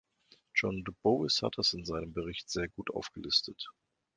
John Bowis hat das in seinem Bericht sehr gut aufgelistet.